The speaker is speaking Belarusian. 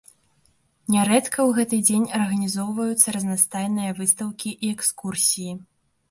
Нярэдка ў гэты дзень арганізоўваюцца разнастайныя выстаўкі і экскурсіі.